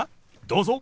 どうぞ。